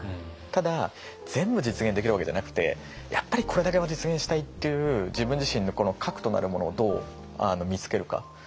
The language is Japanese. ただ全部実現できるわけじゃなくてやっぱりこれだけは実現したいっていう自分自身の核となるものをどう見つけるか。